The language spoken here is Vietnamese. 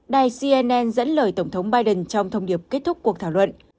đài cnn dẫn lời tổng thống biden trong thông điệp kết thúc cuộc thảo luận